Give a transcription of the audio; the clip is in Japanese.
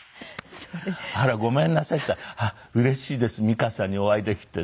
「あらごめんなさい」って言ったら「あっうれしいです美川さんにお会いできて」